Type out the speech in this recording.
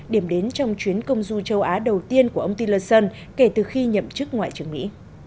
điểm đến trong chuyến công du châu á đầu tiên của ông tillson kể từ khi nhậm chức ngoại trưởng mỹ